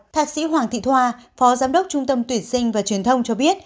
thạc sĩ hoàng thị thoa phó giám đốc trung tâm tuyển sinh và truyền thông cho biết